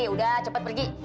udah cepat pergi